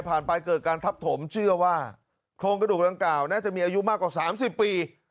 ไปเกิดการทับถมเชื่อว่าโครงกระดูกดังกล่าวน่าจะมีอายุมากกว่า๓๐ปี